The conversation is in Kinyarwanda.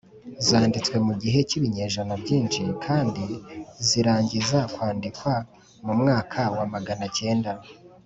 zanditswe mu gihe cy’ibinyejana byinshi kandi zirangiza kwandikwa mu mwaka wa magana cyenda